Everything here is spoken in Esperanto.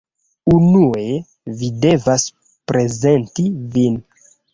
Unue, vi devas prezenti vin